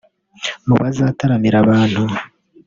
Mu bazataramira abantu